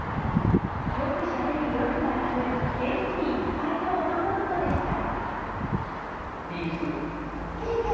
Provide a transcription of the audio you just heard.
よくしゃべりよく笑う元気いっぱいの男の子でした。